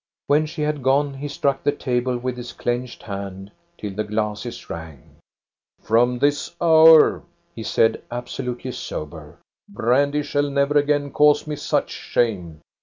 When she had gone, he struck the table with his clenched hand till the glasses rang. "'From this hour,* he said, 'absolutely sober. Brandy shall never again cause me such shame.'